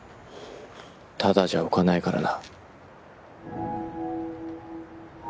ただじゃおかないからな。